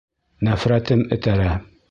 Нәфрәтем этәрә.